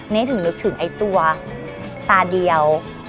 นี่ถึงนึกถึงไอ้ตัวตาเดียว